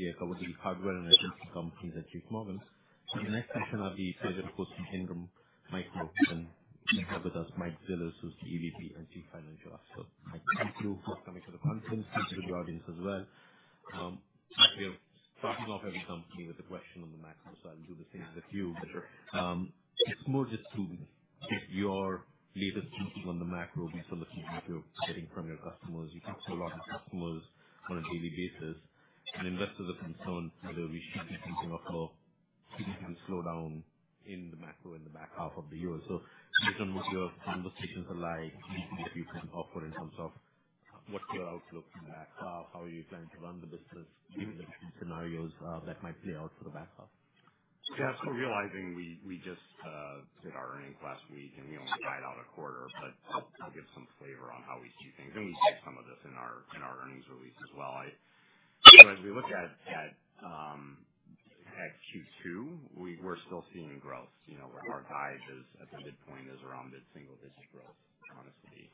As you're probably hardware and electronics companies at JPMorgan. The next session I'll be favorably hosting Ingram Micro and with us, Mike Zilis, who's the EVP and Chief Financial Officer. Mike, thank you for coming to the conference. Thank you to the audience as well. We're starting off every company with a question on the macros, so I'll do the same with you. It's more just to get your latest thinking on the macro based on the feedback you're getting from your customers. You talk to a lot of customers on a daily basis, and investors are concerned whether we should be thinking of a significant slowdown in the macro in the back half of the year. Based on what your conversations are like, what do you think you can offer in terms of what's your outlook in the back half? How are you planning to run the business? Give me the scenarios that might play out for the back half. Yeah. Realizing we just did our earnings last week and we only tied out a quarter, but I'll give some flavor on how we see things. We see some of this in our earnings release as well. As we look at Q2, we're still seeing growth. Our guide at the midpoint is around that single-digit growth, honestly.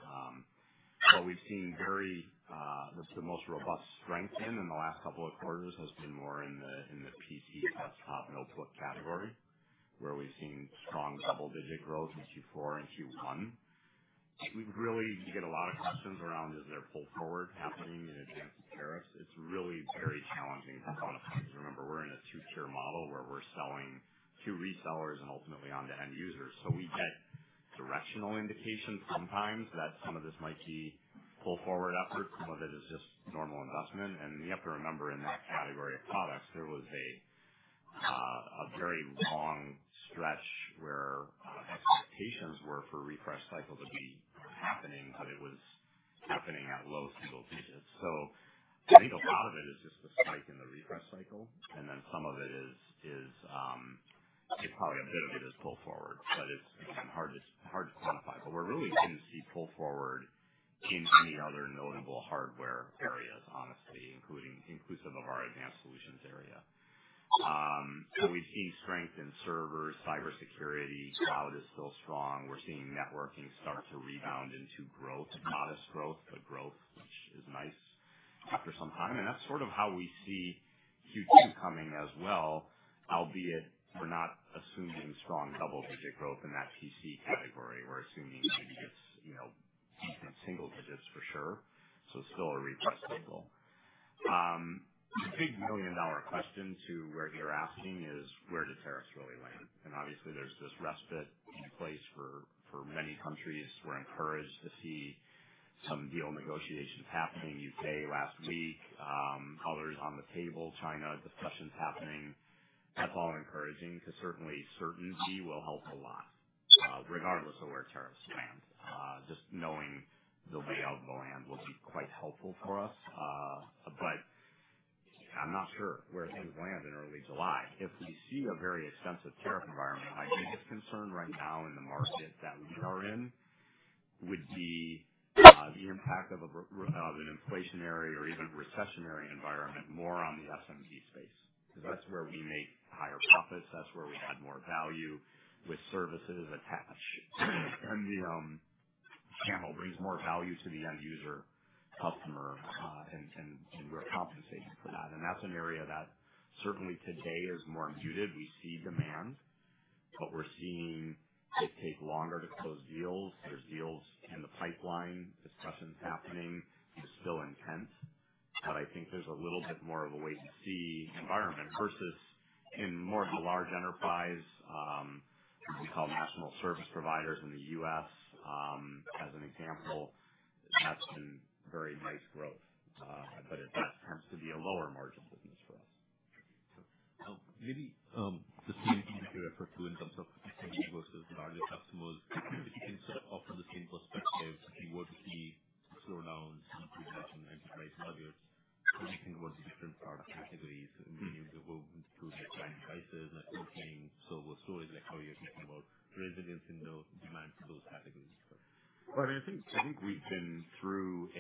We've seen very—that's the most robust strength in the last couple of quarters has been more in the PC, desktop, notebook category, where we've seen strong double-digit growth in Q4 and Q1. We really get a lot of questions around, is there pull forward happening in advance of tariffs? It's really very challenging to quantify because remember, we're in a two-tier model where we're selling to resellers and ultimately on to end users. We get directional indications sometimes that some of this might be pull forward efforts. Some of it is just normal investment. You have to remember in that category of products, there was a very long stretch where expectations were for refresh cycle to be happening, but it was happening at low single digits. I think a lot of it is just the spike in the refresh cycle, and then some of it is—probably a bit of it is pull forward, but it is hard to quantify. We are not really going to see pull forward in any other notable hardware areas, honestly, inclusive of our advanced solutions area. We have seen strength in servers, cybersecurity, cloud is still strong. We are seeing networking start to rebound into growth, not as growth, but growth, which is nice after some time. That is sort of how we see Q2 coming as well, albeit we are not assuming strong double-digit growth in that PC category. We're assuming maybe it's decent single digits for sure. So it's still a refresh cycle. The big million-dollar question to where you're asking is, where do tariffs really land? Obviously, there's this respite in place for many countries. We're encouraged to see some deal negotiations happening. U.K. last week, colors on the table, China discussions happening. That's all encouraging because certainly certainty will help a lot regardless of where tariffs land. Just knowing the layout of the land will be quite helpful for us, but I'm not sure where things land in early July. If we see a very extensive tariff environment, my biggest concern right now in the market that we are in would be the impact of an inflationary or even recessionary environment more on the SMB space because that's where we make higher profits. That's where we add more value with services attached, and the channel brings more value to the end user, customer, and we're compensated for that. That's an area that certainly today is more muted. We see demand, but we're seeing it take longer to close deals. There are deals in the pipeline, discussions happening. It's still intense, but I think there's a little bit more of a wait-and-see environment versus in more of a large enterprise, what we call national service providers in the U.S., as an example. That's been very nice growth, but that tends to be a lower margin business for us. Maybe the same thing you refer to in terms of versus larger customers, if you can sort of offer the same perspective, if you were to see slowdowns in enterprise budgets, how do you think about the different product categories? You've been able to explain prices, networking, server storage, how you're thinking about resilience in demand for those categories? I mean, I think we've been through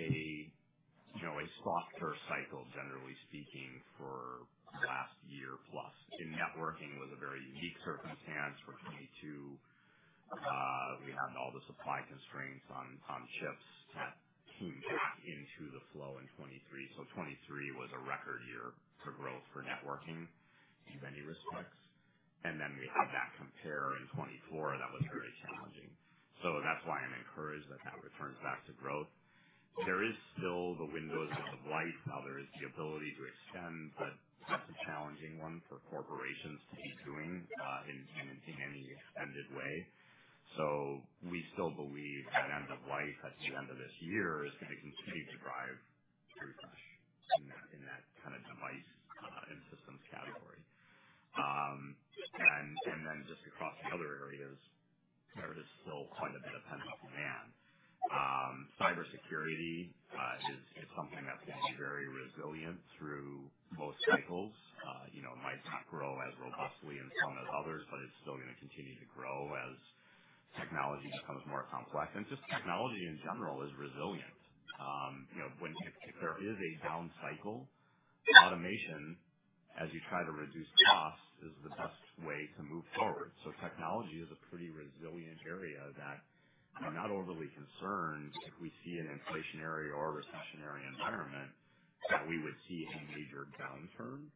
a softer cycle, generally speaking, for the last year plus. In networking, it was a very unique circumstance for 2022. We had all the supply constraints on chips that came back into the flow in 2023. 2023 was a record year for growth for networking in many respects. We had that compare in 2024. That was very challenging. That's why I'm encouraged that that returns back to growth. There is still the windows end of life. There is the ability to extend, but that's a challenging one for corporations to keep doing in any extended way. We still believe that end of life at the end of this year is going to continue to drive refresh in that kind of device and systems category. Across the other areas, there is still quite a bit of pending demand. Cybersecurity is something that's going to be very resilient through both cycles. It might not grow as robustly in some as others, but it's still going to continue to grow as technology becomes more complex. Technology in general is resilient. If there is a down cycle, automation, as you try to reduce costs, is the best way to move forward. Technology is a pretty resilient area that I'm not overly concerned if we see an inflationary or a recessionary environment that we would see a major downturn,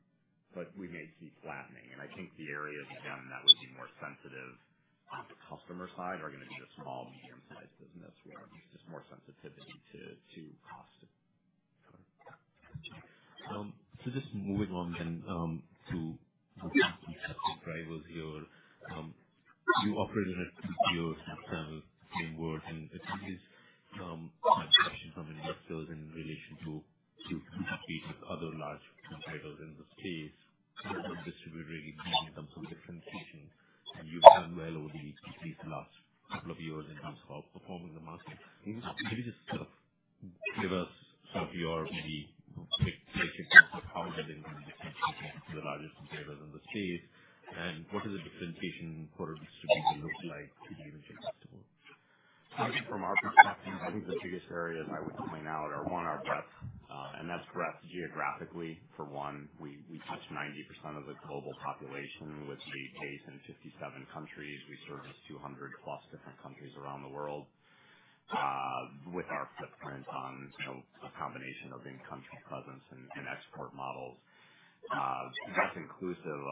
but we may see flattening. I think the areas again that would be more sensitive on the customer side are going to be the small, medium-sized business where there's just more sensitivity to cost. Just moving on then to the company that you operate in, your teamwork and at least my question from a lead sales in relation to competing with other large competitors in the space, distributor in terms of the differentiation, and you've done well over at least the last couple of years in terms of outperforming the market. Maybe just sort of give us sort of your maybe quick basic concept of how do they make the difference to the largest competitors in the space, and what is the differentiation for a distributor look like to the individual customer? I think from our perspective, I think the biggest areas I would point out are, one, our breadth, and that's breadth geographically. For one, we touch 90% of the global population with the base in 57 countries. We service 200+ different countries around the world with our footprint on a combination of in-country presence and export models. That is inclusive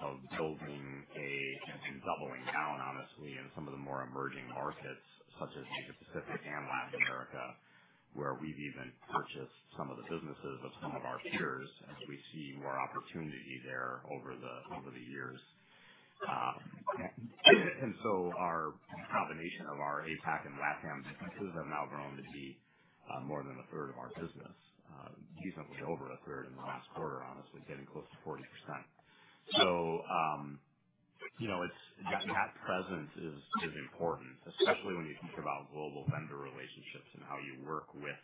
of building and doubling down, honestly, in some of the more emerging markets such as Asia-Pacific and Latin America, where we have even purchased some of the businesses of some of our peers as we see more opportunity there over the years. Our combination of our APAC and LATAM businesses have now grown to be more than a third of our business, decently over a third in the last quarter, honestly, getting close to 40%. That presence is important, especially when you think about global vendor relationships and how you work with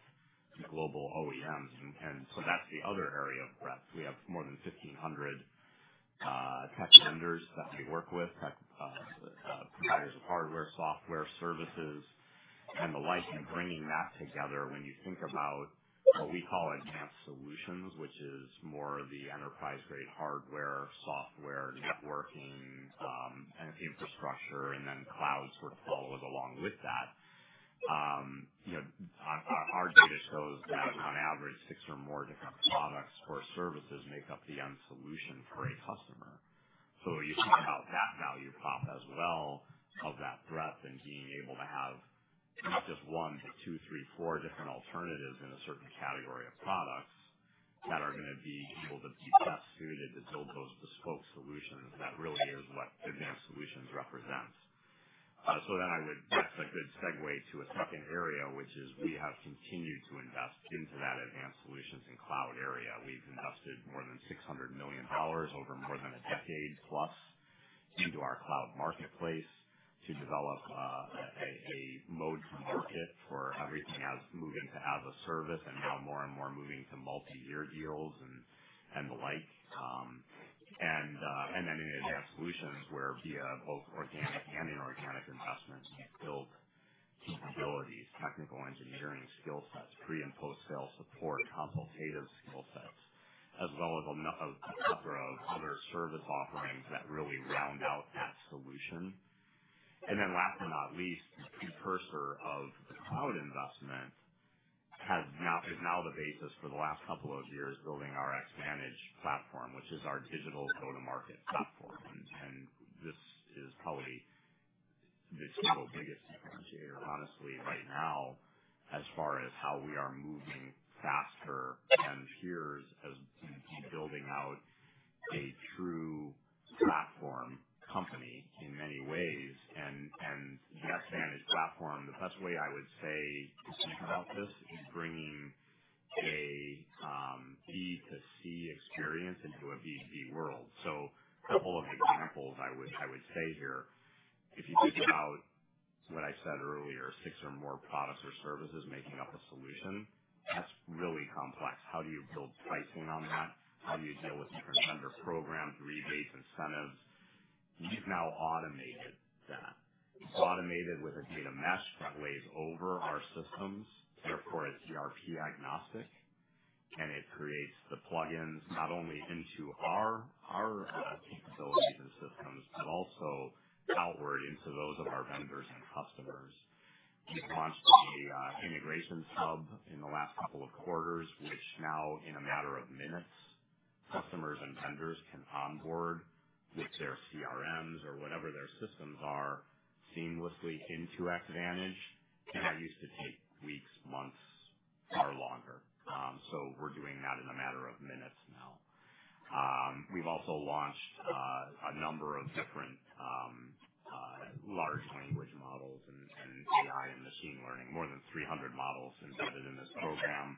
global OEMs. That is the other area of breadth. We have more than 1,500 tech vendors that we work with, tech providers of hardware, software, services, and the like. Bringing that together, when you think about what we call advanced solutions, which is more of the enterprise-grade hardware, software, networking, and infrastructure, cloud sort of follows along with that. Our data shows that on average, six or more different products or services make up the end solution for a customer. You think about that value prop as well of that breadth and being able to have not just one, but two, three, four different alternatives in a certain category of products that are going to be able to be best suited to build those bespoke solutions. That really is what advanced solutions represent. I would—that's a good segue to a second area, which is we have continued to invest into that advanced solutions and cloud area. We've invested more than $600 million over more than a decade plus into our Cloud Marketplace to develop a mode to market for everything as moving to as a service and now more and more moving to multi-year deals and the like. In advanced solutions where via both organic and inorganic investments, we've built capabilities, technical engineering skill sets, pre- and post-sale support, consultative skill sets, as well as a plethora of other service offerings that really round out that solution. Last but not least, the precursor of the cloud investment has now been now the basis for the last couple of years building our Xvantage platform, which is our digital go-to-market platform. This is probably the single biggest differentiator, honestly, right now as far as how we are moving faster than peers as building out a true platform company in many ways. The Xvantage platform, the best way I would say to think about this is bringing a B2C experience into a B2B world. A couple of examples I would say here. If you think about what I said earlier, six or more products or services making up a solution, that's really complex. How do you build pricing on that? How do you deal with different vendor programs, rebates, incentives? We've now automated that. It's automated with a data mesh that lays over our systems. Therefore, it's ERP agnostic, and it creates the plugins not only into our capabilities and systems, but also outward into those of our vendors and customers. We launched the integration hub in the last couple of quarters, which now, in a matter of minutes, customers and vendors can onboard with their CRMs or whatever their systems are seamlessly into Xvantage. That used to take weeks, months, or longer. We are doing that in a matter of minutes now. We have also launched a number of different large language models and AI and machine learning, more than 300 models embedded in this program,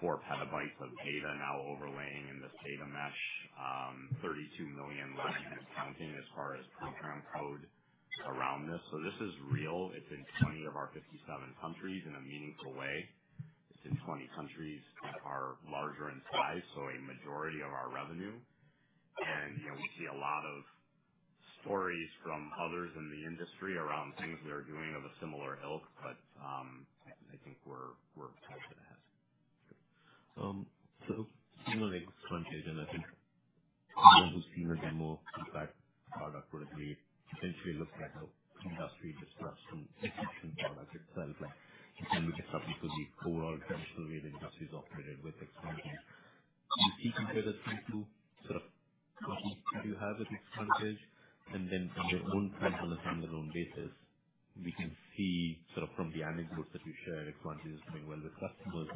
4 PB of data now overlaying in this data mesh, 32 million lines of accounting as far as program code around this. This is real. It is in 20 of our 57 countries in a meaningful way. It is in 20 countries that are larger in size, so a majority of our revenue. We see a lot of stories from others in the industry around things we are doing of a similar ilk, but I think we're ahead of the hill. Similar next question, and I think someone who's seen a bit more feedback. Product would be essentially looked at the industry just runs from production product itself, and can we get something for the overall traditional way the industry has operated with expansion? Can you speak to whether sort of companies that you have with expanded edge? And then on their own platform, on their own basis, we can see sort of from the anecdotes that you shared, expanded edge is doing well with customers.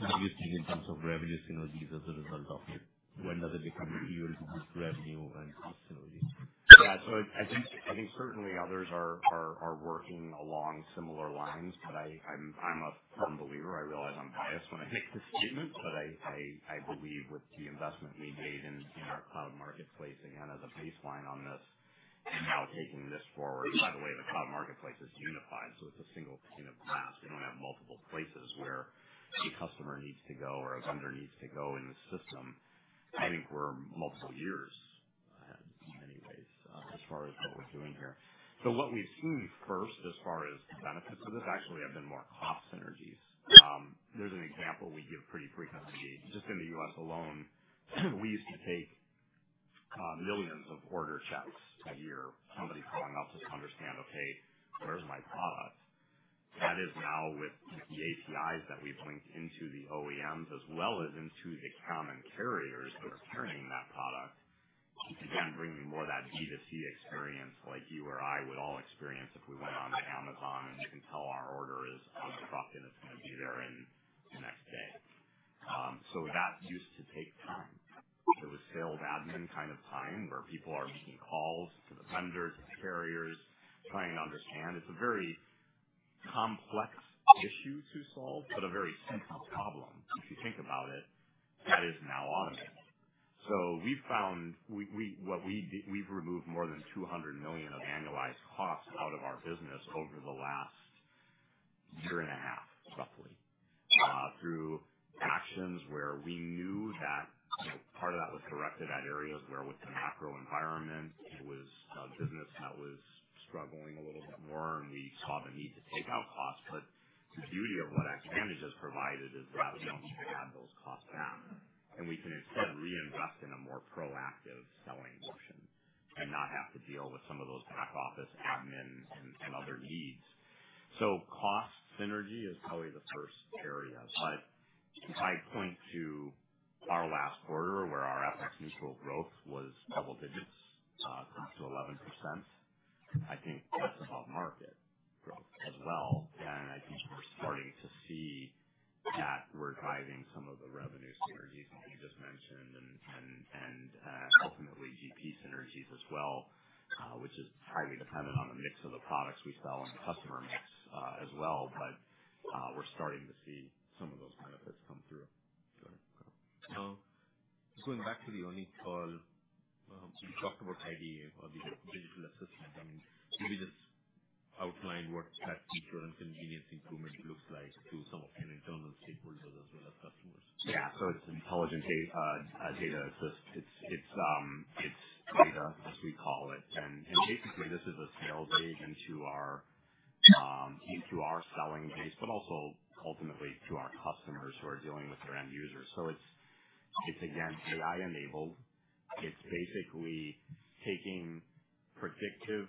What do you think in terms of revenue synergies as a result of it? When does it become a key revenue and cost synergy? Yeah. So I think certainly others are working along similar lines, but I'm a firm believer. I realize I'm biased when I make this statement, but I believe with the investment we made in our Cloud Marketplace, again, as a baseline on this, and now taking this forward, by the way, the Cloud Marketplace is unified, so it's a single pane of glass. We don't have multiple places where a customer needs to go or a vendor needs to go in the system. I think we're multiple years ahead in many ways as far as what we're doing here. What we've seen first as far as the benefits of this actually have been more cost synergies. There's an example we give pretty frequently. Just in the U.S. alone, we used to take millions of order checks a year. Somebody calling up just to understand, "Okay, where's my product?" That is now with the APIs that we've linked into the OEMs as well as into the common carriers that are carrying that product, again, bringing more of that B2C experience like you or I would all experience if we went onto Amazon and you can tell our order is unstuck and it's going to be there in the next day. That used to take time. It was sales admin kind of time where people are making calls to the vendors, to the carriers, trying to understand. It's a very complex issue to solve, but a very simple problem. If you think about it, that is now automated. We've found that we've removed more than $200 million of annualized costs out of our business over the last year and a half, roughly, through actions where we knew that part of that was directed at areas where with the macro environment, it was a business that was struggling a little bit more, and we saw the need to take out costs. The beauty of what Xvantage has provided is that we do not have those costs down, and we can instead reinvest in a more proactive selling motion and not have to deal with some of those back office admin and other needs. Cost synergy is probably the first area. If I point to our last quarter where our FX neutral growth was double digits, up to 11%, I think that is above market growth as well. I think we're starting to see that we're driving some of the revenue synergies that you just mentioned and ultimately GP synergies as well, which is highly dependent on the mix of the products we sell and the customer mix as well. We're starting to see some of those benefits come through. Got it. Going back to the only call, you talked about IDA or digital assistant, and maybe just outline what that feature and convenience improvement looks like to some of your internal stakeholders as well as customers. Yeah. So it's Intelligent Data Assistance. It's IDA, as we call it. And basically, this is a sales aid into our selling base, but also ultimately to our customers who are dealing with their end users. It's again, AI-enabled. It's basically taking predictive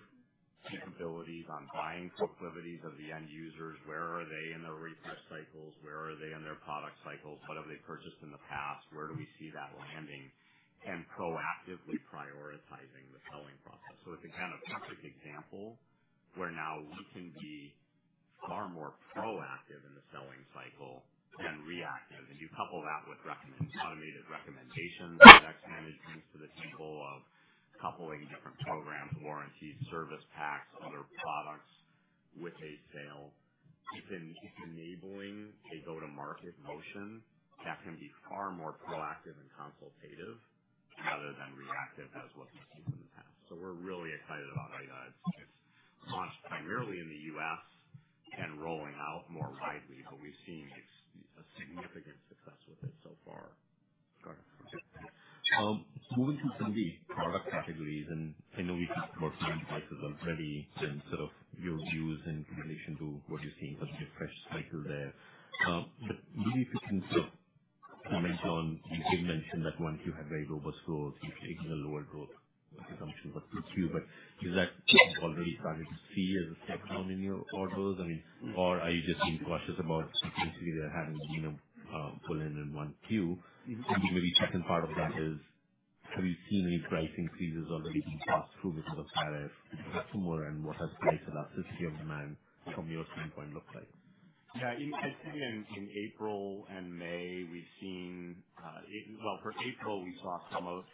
capabilities on buying proclivities of the end users. Where are they in their refresh cycles? Where are they in their product cycles? What have they purchased in the past? Where do we see that landing? And proactively prioritizing the selling process. It's a kind of perfect example where now we can be far more proactive in the selling cycle than reactive. You couple that with automated recommendations and Xvantage brings to the table of coupling different programs, warranties, service packs, other products with a sale. It's enabling a go-to-market motion that can be far more proactive and consultative rather than reactive as what we've seen in the past. We are really excited about it. It's launched primarily in the U.S. and rolling out more widely, but we've seen significant success with it so far. Got it. Moving to some of the product categories, and I know we talked about some of the places already and sort of your views in relation to what you're seeing for the refresh cycle there. But maybe if you can sort of comment on, you did mention that once you had very robust growth, you've taken a lower growth assumption with 2Q, but is that already starting to see as a step down in your orders? I mean, or are you just being cautious about potentially there having been a pull-in in 1Q? And maybe second part of that is, have you seen any price increases already being passed through because of tariffs to customer, and what has the elasticity of demand from your standpoint look like? Yeah. I'd say in April and May, we've seen, well, for April, we saw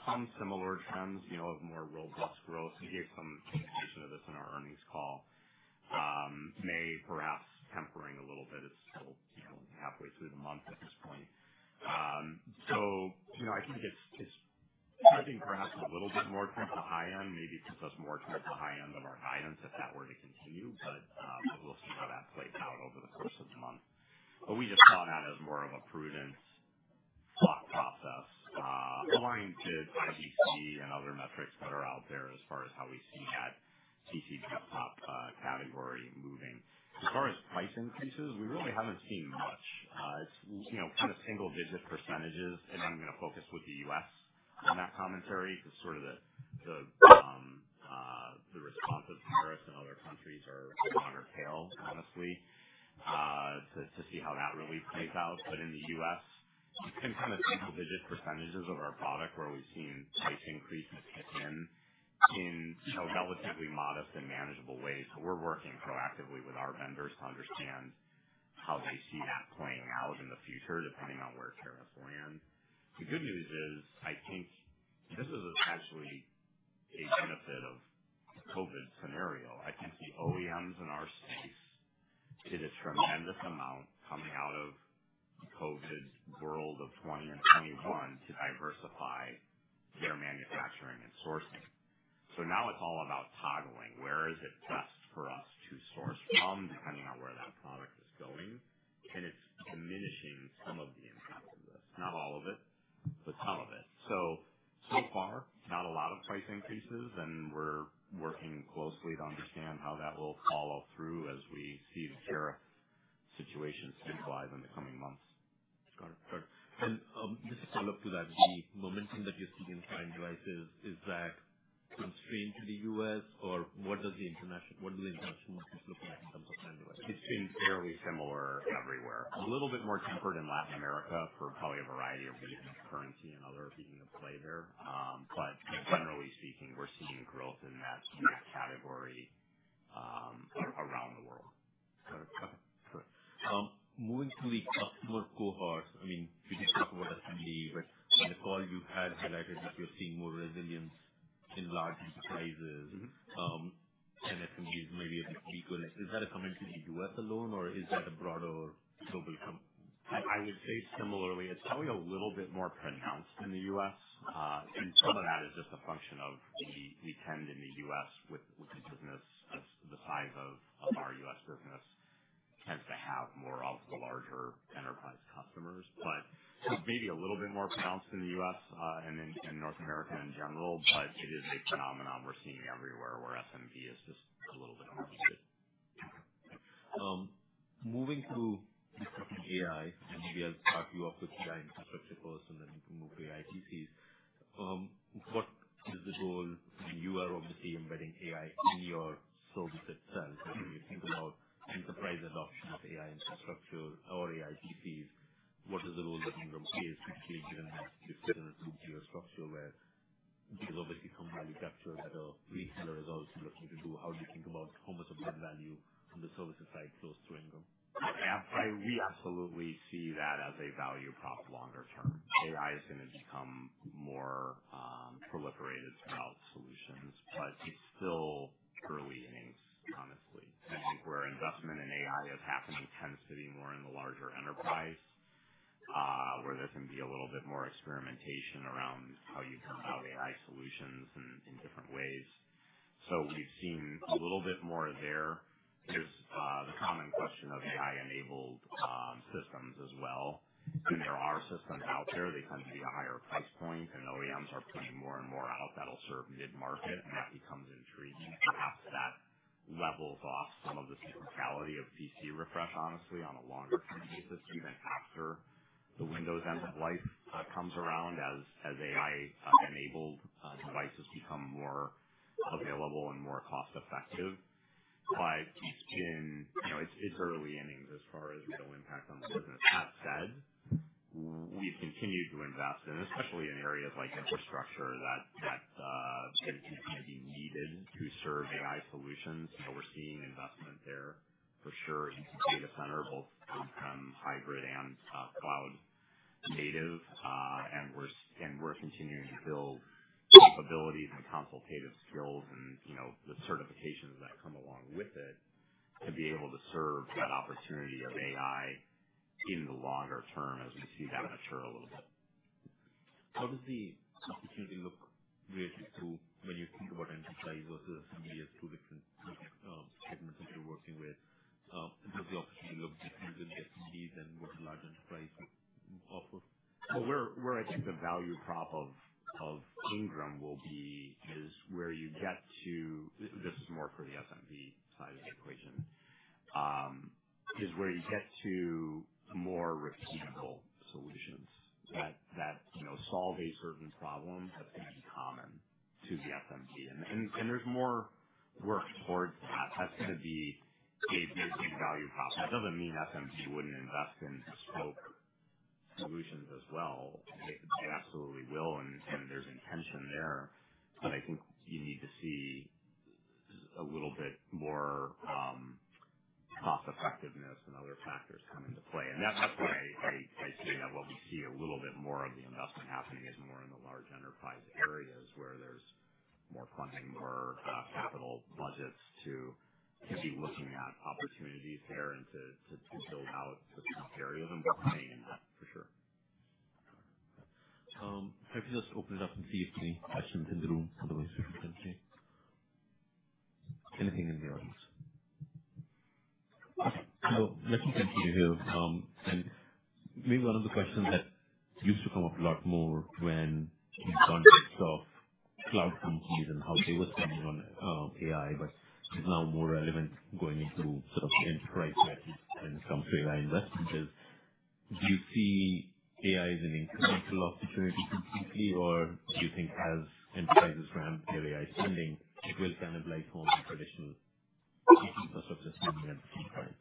some similar trends of more robust growth. We gave some indication of this in our earnings call. May, perhaps tempering a little bit. It's still halfway through the month at this point. I think it's driving perhaps a little bit more towards the high end, maybe push us more towards the high end of our guidance if that were to continue. We'll see how that plays out over the course of the month. We just saw that as more of a prudent thought process aligned to IDC and other metrics that are out there as far as how we see that CCP top category moving. As far as price increases, we really haven't seen much. It's kind of single-digit percentages, and I'm going to focus with the U.S. on that commentary because sort of the response of Paris and other countries are on our tail, honestly, to see how that really plays out. In the U.S., you can kind of see single-digit percentages of our product where we've seen price increases kick in in relatively modest and manageable ways. We're working proactively with our vendors to understand how they see that playing out in the future, depending on where tariffs land. The good news is, I think this is actually a benefit of the COVID scenario. I think the OEMs in our space did a tremendous amount coming out of the COVID world of 2021 to diversify their manufacturing and sourcing. Now it's all about toggling. Where is it best for us to source from depending on where that product is going? It is diminishing some of the impact of this. Not all of it, but some of it. So far, not a lot of price increases, and we are working closely to understand how that will follow through as we see the tariff situation stabilize in the coming months. Got it. Got it. Just to follow up to that, the momentum that you're seeing in client devices, is that constrained to the US, or what does the international market look like in terms of client devices? It's been fairly similar everywhere. A little bit more tempered in Latin America for probably a variety of reasons. Currency and other being in play there. Generally speaking, we're seeing growth in that category around the world. Got it. Okay. Good. Moving to the customer cohort, I mean, we did talk about SMB, but in the call you've had, highlighted that you're seeing more resilience in large enterprises, and SMBs may be a bit weaker. Is that a commentary to U.S. alone, or is that a broader global? I would say similarly. It's probably a little bit more pronounced in the U.S. And some of that is just a function of we tend in the U.S., with the business the size of our U.S. business, tends to have more of the larger enterprise customers, but maybe a little bit more pronounced in the U.S. and in North America in general. But it is a phenomenon we're seeing everywhere where SMB is just a little bit more weaker. Okay. Moving to AI, maybe I'll start you off with the AI infrastructure first, and then we can move to the ITCs. What is the goal? You are obviously embedding AI in your service itself. When you think about enterprise adoption of AI infrastructure or AI PCs, what is the role that Ingram plays, particularly given this different infrastructure where it is obviously some value capture that a retailer is also looking to do? How do you think about how much of that value on the services side flows through Ingram? We absolutely see that as a value prop longer term. AI is going to become more proliferated throughout solutions, but it's still early innings, honestly. I think where investment in AI is happening tends to be more in the larger enterprise where there can be a little bit more experimentation around how you can allow AI solutions in different ways. We've seen a little bit more there. There's the common question of AI-enabled systems as well. When there are systems out there, they tend to be a higher price point, and OEMs are putting more and more out that'll serve mid-market, and that becomes intriguing. Perhaps that levels off some of the physicality of PC refresh, honestly, on a longer-term basis, even after the Windows end of life comes around as AI-enabled devices become more available and more cost-effective. It has been early innings as far as real impact on the business. That said, we've continued to invest, especially in areas like infrastructure that may be needed to serve AI solutions. We are seeing investment there for sure into data center, both hybrid and cloud native. We are continuing to build capabilities and consultative skills and the certifications that come along with it to be able to serve that opportunity of AI in the longer term as we see that mature a little bit. How does the opportunity look really through when you think about enterprise versus SMB as two different segments that you're working with? Does the opportunity look different with the SMBs and what the large enterprise offers? I think the value prop of Ingram will be where you get to this is more for the SMB side of the equation, where you get to more repeatable solutions that solve a certain problem that's going to be common to the SMB. There is more work towards that. That's going to be a very big value prop. That does not mean SMB would not invest in bespoke solutions as well. They absolutely will, and there is intention there. I think you need to see a little bit more cost-effectiveness and other factors come into play. That is why I see that what we see a little bit more of the investment happening is more in the large enterprise areas, where there is more funding, more capital budgets to be looking at opportunities there and to build out the comparative, and we are seeing that for sure. Got it. If I could just open it up and see if there's any questions in the room, otherwise we can continue. Anything in the audience? Okay. Let me continue here. Maybe one of the questions that used to come up a lot more when in context of cloud companies and how they were spending on AI, but it's now more relevant going into sort of enterprise when it comes to AI investment is, do you see AI as an incremental opportunity completely, or do you think as enterprises ramp their AI spending, it will cannibalize more traditional infrastructure spending at the same time?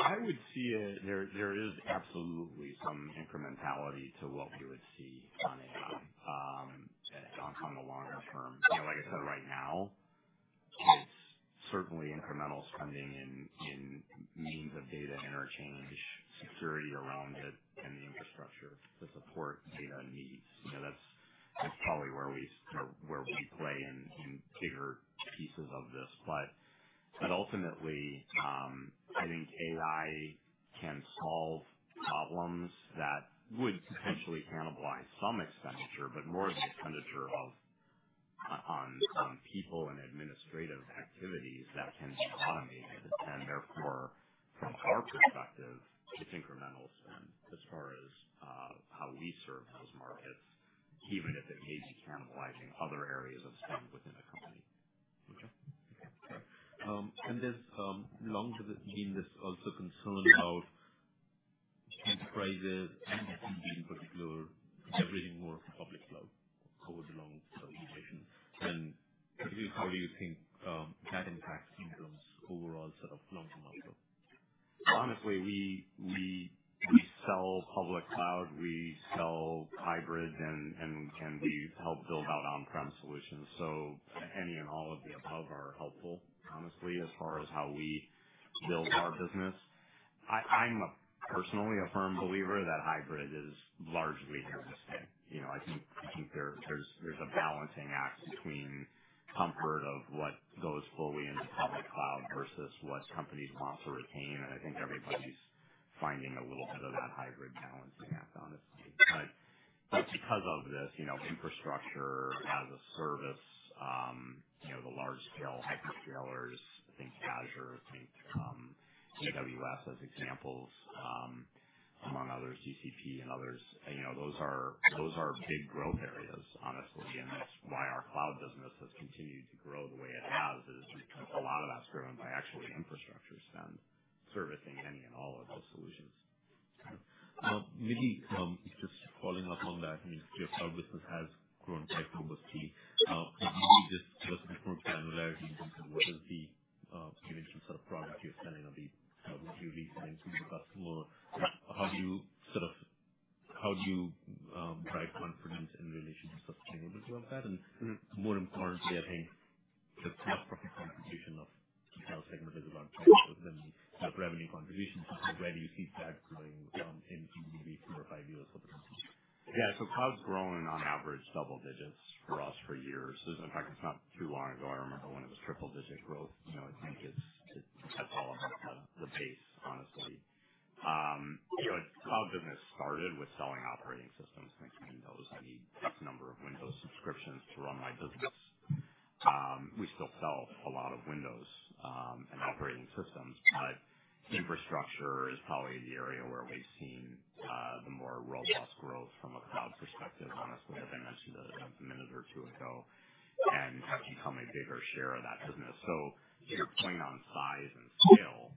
I would see there is absolutely some incrementality to what we would see on AI on the longer term. Like I said, right now, it's certainly incremental spending in means of data interchange, security around it, and the infrastructure to support data needs. That's probably where we play in bigger pieces of this. Ultimately, I think AI can solve problems that would potentially cannibalize some expenditure, but more of the expenditure on people and administrative activities that can be automated. Therefore, from our perspective, it's incremental spend as far as how we serve those markets, even if it may be cannibalizing other areas of spend within a company. Okay. Okay. Is there also concern about enterprises and SMB in particular, everything more public cloud over the long-term equation, and particularly how do you think that impacts Ingram's overall sort of long-term outlook? Honestly, we sell public cloud. We sell hybrid, and we help build out on-prem solutions. Any and all of the above are helpful, honestly, as far as how we build our business. I'm personally a firm believer that hybrid is largely interesting. I think there's a balancing act between comfort of what goes fully into public cloud versus what companies want to retain. I think everybody's finding a little bit of that hybrid balancing act, honestly. Because of this, infrastructure as a service, the large-scale hyperscalers, I think Azure, I think AWS as examples, among others, GCP and others, those are big growth areas, honestly. That's why our cloud business has continued to grow the way it has, is because a lot of that's driven by actually infrastructure spend servicing any and all of those solutions. Okay. Maybe just following up on that, I mean, your cloud business has grown quite robustly. Could you just give us a bit more granularity in terms of what is the sort of product you're selling or what you're reselling to the customer? How do you sort of, how do you drive confidence in relation to sustainability like that? More importantly, I think the cloud profit contribution of the cloud segment is a lot bigger than the revenue contribution. Where do you see that growing in maybe four or five years? Yeah. Cloud's grown on average double digits for us for years. In fact, it's not too long ago. I remember when it was triple-digit growth. I think that's all about the base, honestly. Cloud business started with selling operating systems, like Windows. I need X number of Windows subscriptions to run my business. We still sell a lot of Windows and operating systems, but infrastructure is probably the area where we've seen the more robust growth from a cloud perspective, honestly, like I mentioned a minute or two ago, and has become a bigger share of that business. To your point on size and scale,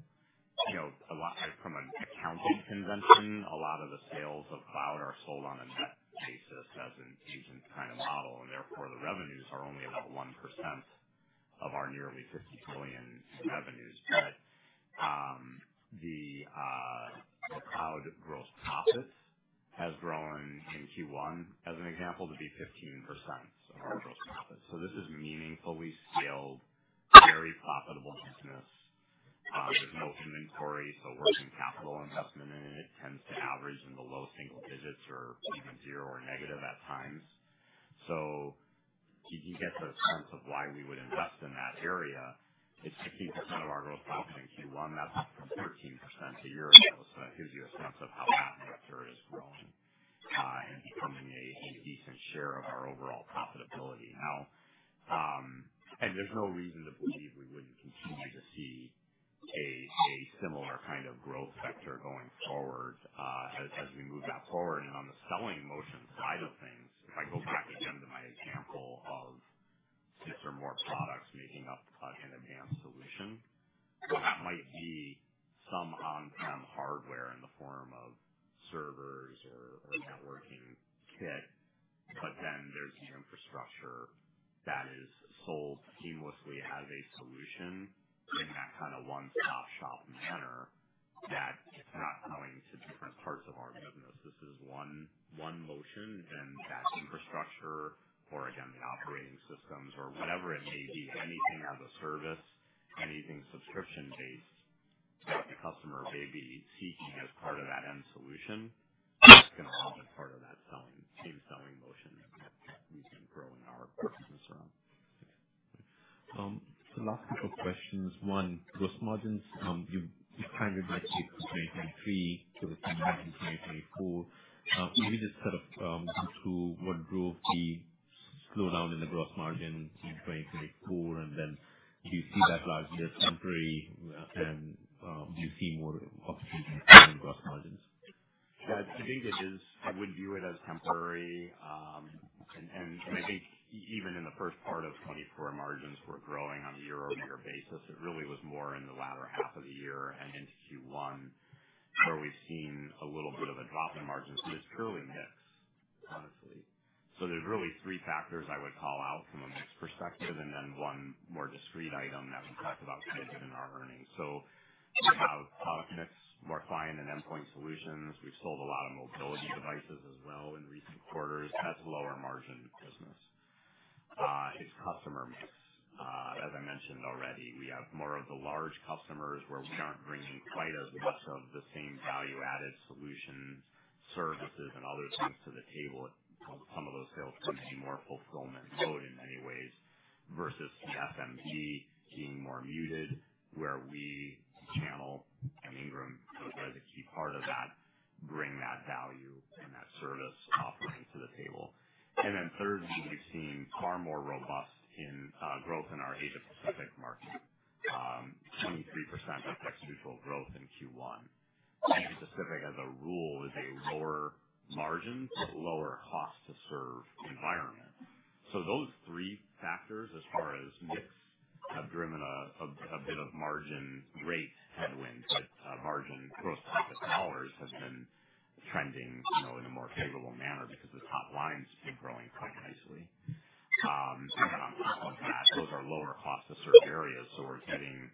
from an accounting convention, a lot of the sales of cloud are sold on a net basis as an agent kind of model, and therefore the revenues are only about 1% of our nearly $50 billion revenues. The cloud gross profit has grown in Q1, as an example, to be 15% of our gross profit. This is meaningfully scaled, very profitable business. There's no inventory, so working capital investment in it tends to average in the low single digits or even zero or negative at times. You can get the sense of why we would invest in that area. It's 15% of our gross profit in Q1. That was 13% a year ago. That gives you a sense of how that sector is growing and becoming a decent share of our overall profitability now. There's no reason to believe we wouldn't continue to see a similar kind of growth sector going forward as we move that forward. On the selling motion side of things, if I go back again to my example of six or more products making up an advanced solution, that might be some on-prem hardware in the form of servers or networking kit, but then there's the infrastructure that is sold seamlessly as a solution in that kind of one-stop-shop manner that it's not selling to different parts of our business. This is one motion, and that infrastructure or, again, the operating systems or whatever it may be, anything as a service, anything subscription-based that the customer may be seeking as part of that end solution, that's going to be part of that same selling motion that we've been growing our business around. Okay. Last couple of questions. One, gross margins. You have kind of mentioned 2023 to the same margin in 2024. Maybe just sort of go through what drove the slowdown in the gross margin in 2024, and then do you see that largely as temporary, and do you see more opportunity in growing gross margins? Yeah. I think it is. I would view it as temporary. I think even in the first part of 2024, margins were growing on a year-over-year basis. It really was more in the latter half of the year and into Q1 where we've seen a little bit of a drop in margins. It's purely mix, honestly. There are really three factors I would call out from a mix perspective and then one more discrete item that we talked about in our earnings. We have product mix, Wi-Fi and endpoint solutions. We've sold a lot of mobility devices as well in recent quarters. That's a lower-margin business. It's customer mix. As I mentioned already, we have more of the large customers where we aren't bringing quite as much of the same value-added solutions, services, and other things to the table. Some of those sales tend to be more fulfillment mode in many ways versus the SMB being more muted where we channel and Ingram, as a key part of that, bring that value and that service offering to the table. Thirdly, we've seen far more robust growth in our Asia-Pacific market. 23% of ex-mutual growth in Q1. Asia-Pacific, as a rule, is a lower margin but lower cost-to-serve environment. Those three factors, as far as mix, have driven a bit of margin rate headwind. Margin gross profit dollars have been trending in a more favorable manner because the top lines have been growing quite nicely. On top of that, those are lower cost-to-serve areas. We're getting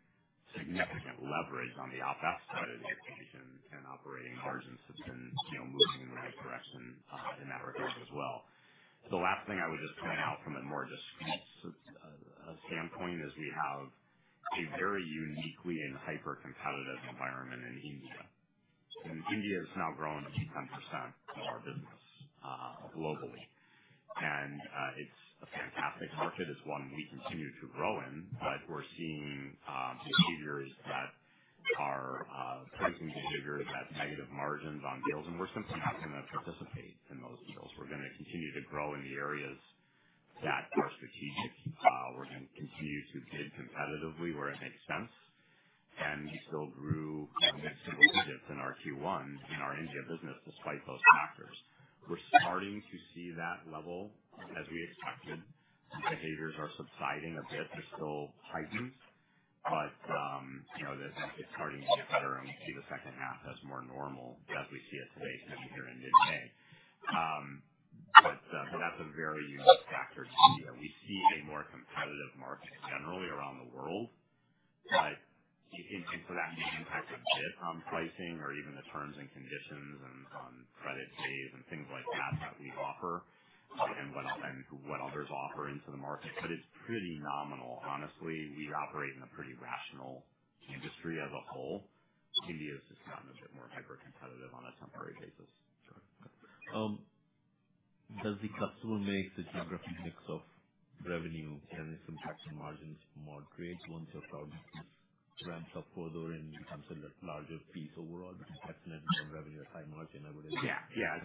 significant leverage on the OpEx side of the equation, and operating margins have been moving in the right direction in that regard as well. The last thing I would just point out from a more discrete standpoint is we have a very unique and hyper-competitive environment in India. India has now grown a few 10% of our business globally. It is a fantastic market. It is one we continue to grow in, but we are seeing behaviors that are pricing behaviors that negative margins on deals. We are simply not going to participate in those deals. We are going to continue to grow in the areas that are strategic. We are going to continue to bid competitively where it makes sense. We still grew a mix of digits in our Q1 in our India business despite those factors. We are starting to see that level as we expected. Behaviors are subsiding a bit. They are still heightened, but it is starting to get better. We will see the second half as more normal as we see it today, here in mid-May. That is a very unique factor to India. We see a more competitive market generally around the world. That may impact a bit on pricing or even the terms and conditions and on credit days and things like that that we offer and what others offer into the market. It is pretty nominal, honestly. We operate in a pretty rational industry as a whole. India has just gotten a bit more hyper-competitive on a temporary basis. Sure. Does the customer mix, the geographic mix of revenue, can this impact the margins more greatly once your cloud business ramps up further and becomes a larger piece overall? Definitely more revenue at high margin, I would assume. Yeah. Yeah.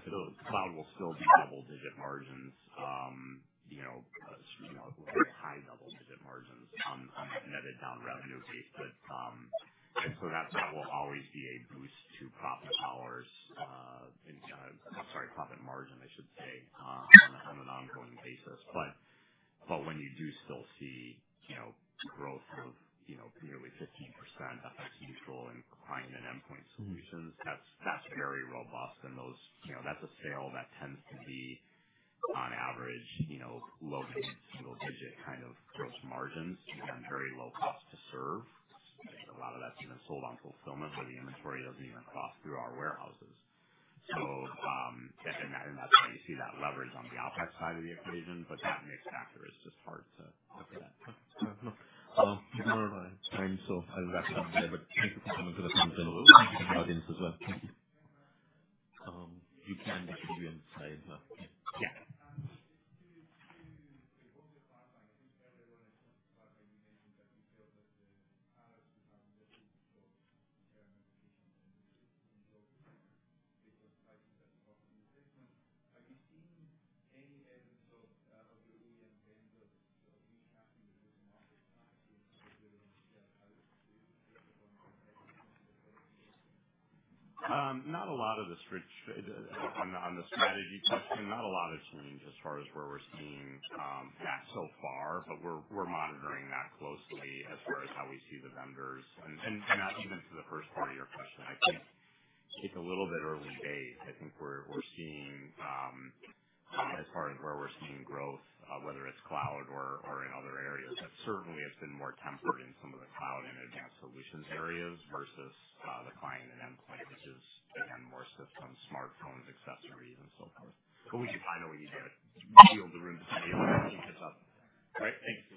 Cloud will still be double-digit margins, high double-digit margins on that netted down revenue base. That will always be a boost to profit dollars and, sorry, profit margin, I should say, on an ongoing basis. When you do still see growth of nearly 15% of ex-mutual and client and endpoint solutions, that is very robust. That is a sale that tends to be, on average, low to mid-single-digit kind of gross margins and very low cost-to-serve. A lot of that has been sold on fulfillment where the inventory does not even cross through our warehouses. That is why you see that leverage on the OpEx side of the equation. That mix factor is just hard to predict. Okay. Okay. No problem. We're almost out of time, so I'll wrap it up here. Thank you for coming to the conference and the audience as well. Thank you. You can. I should be on the side. Yeah. as far as where we're seeing growth, whether it's cloud or in other areas, that certainly it's been more tempered in some of the cloud and advanced solutions areas versus the client and endpoint, which is, again, more systems, smartphones, accessories, and so forth. We can find a way to yield the room to somebody else that can pick up. All right. Thanks.